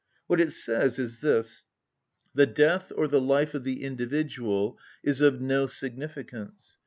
What it says is: The death or the life of the individual is of no significance.